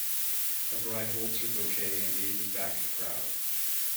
A bride holds her bouquet and gazes back at the crowd.